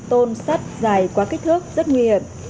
tôn sắt dài quá kích thước rất nguy hiểm